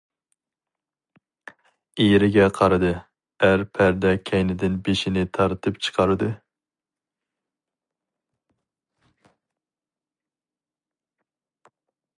ئېرىگە قارىدى، ئەر پەردە كەينىدىن بېشىنى تارتىپ چىقاردى.